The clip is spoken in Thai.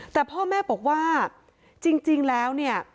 แต่พ่อแม่บอกว่าจริงแล้วเนี่ย